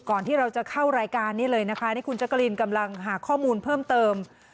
ที่เราจะเข้ารายการนี้เลยนะคะนี่คุณจักรีนกำลังหาข้อมูลเพิ่มเติม